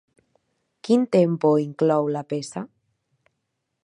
Quin tempo inclou la peça?